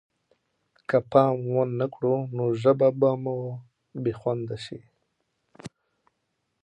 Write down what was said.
که پام ونه کړو نو ژبه به مو بې خونده شي.